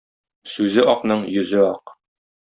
Сүзе акның йөзе ак.